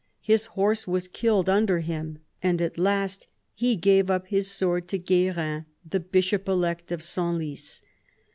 His horse was killed under him, and at last he gave up his sword to Guerin, the bishop elect of Senlis.